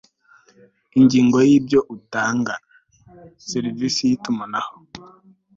ingingo ya ibyo utanga serivisi y itumanaho